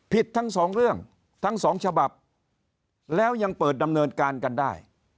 ทั้งสองเรื่องทั้งสองฉบับแล้วยังเปิดดำเนินการกันได้